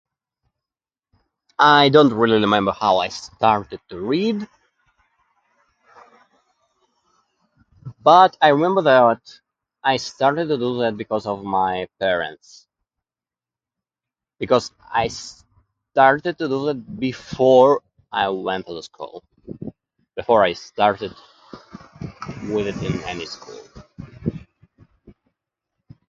I don't really remember how I started to read. But, I remember that I started to do that because of my parents. Because I started to do that before I went to the school, before I started with any school.